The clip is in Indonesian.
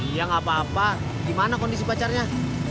iya gak apa apa gimana kondisi pacarnya